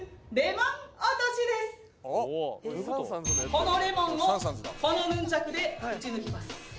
このレモンをこのヌンチャクで打ち抜きます。